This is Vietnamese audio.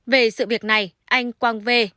về sự việc này anh quang v